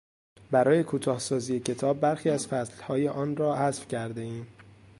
برای کوتاه سازی کتاب برخی از فصلهای آن را حذف کردهایم.